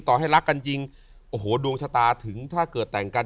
ให้รักกันจริงโอ้โหดวงชะตาถึงถ้าเกิดแต่งกัน